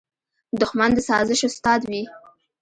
دښمن د سازش استاد وي